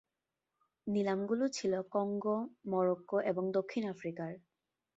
নিলাম গুলো ছিল কঙ্গো, মরক্কো এবং দক্ষিণ আফ্রিকার।